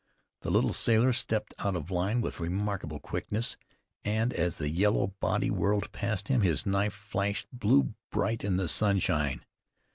The little sailor stepped out of line with remarkable quickness, and as the yellow body whirled past him, his knife flashed blue bright in the sunshine.